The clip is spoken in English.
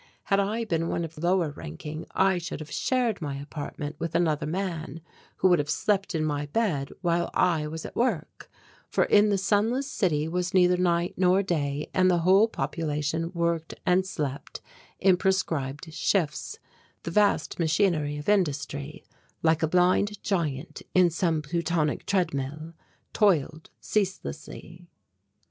Had I been one of lower ranking I should have shared my apartment with another man who would have slept in my bed while I was at work, for in the sunless city was neither night nor day and the whole population worked and slept in prescribed shifts the vast machinery of industry, like a blind giant in some Plutonic treadmill, toiled ceaselessly.